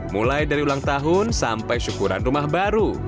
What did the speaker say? mulai dari ulang tahun sampai syukuran rumah baru